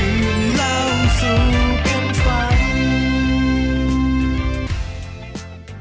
อย่าลืมเล่าสุขกันฟัง